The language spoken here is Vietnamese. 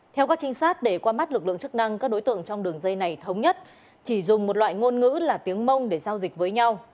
theo các trinh sát để qua mắt lực lượng chức năng các đối tượng trong đường dây này thống nhất chỉ dùng một loại ngôn ngữ là tiếng mông để giao dịch với nhau